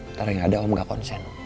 ntar yang ada om gak konsen